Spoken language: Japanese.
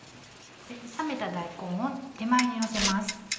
冷めた大根を手前にのせます。